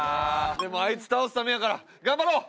でもあいつ倒すためやから頑張ろう！